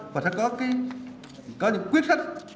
và sẽ có những quyết sách